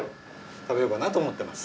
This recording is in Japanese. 食べようかなと思ってます。